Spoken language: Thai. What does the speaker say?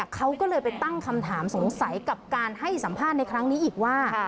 เขาก็เลยไปตั้งคำถามสงสัยกับการให้สัมภาษณ์ในครั้งนี้อีกว่า